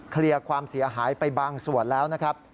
ความเสียหายไปบางส่วนแล้วนะครับ